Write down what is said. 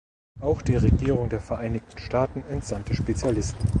Auch die Regierung der Vereinigten Staaten entsandte Spezialisten.